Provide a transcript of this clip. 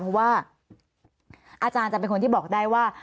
เพราะว่าอาจารย์จะเป็นคนที่บอกได้ว่า